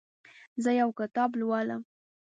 زه یو کتاب لولم.